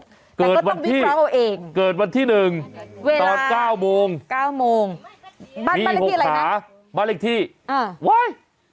แต่ก็ต้องวิเคราะห์เอาเองเกิดวันที่๑ตอน๙โมงมี๖ขาบ้านอีกที่โอ๊ย